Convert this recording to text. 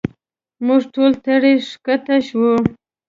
موږ ټول ترې ښکته شو.